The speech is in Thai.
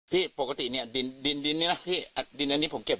พี่ปกติเนี้ยดินดินดินเนี้ยนะพี่อ่ะดินอันนี้ผมเก็บ